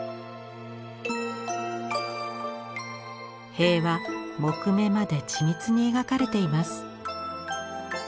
塀は木目まで緻密に描かれています。